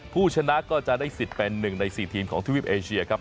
ผู้ชนะก็จะได้สิทธิ์เป็นหนึ่งใน๔ทีมของทวิปเอเชียครับ